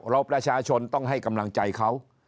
ประชาชนต้องให้กำลังใจเขา